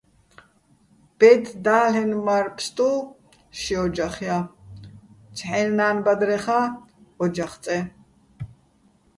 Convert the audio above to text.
ბედ და́ლ'ენო̆ მარ-ფსტუ ში ო́ჯახ ჲა, ცჰ̦აჲნი̆ ნან-ბადრეხა́ ო́ჯახ წე.